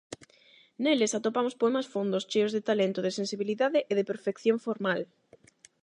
Neles atopamos poemas fondos, cheos de talento, de sensibilidade e de perfección formal...